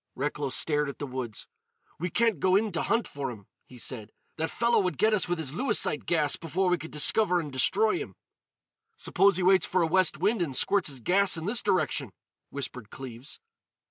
Recklow stared at the woods. "We can't go in to hunt for him," he said. "That fellow would get us with his Lewisite gas before we could discover and destroy him." "Suppose he waits for a west wind and squirts his gas in this direction?" whispered Cleves.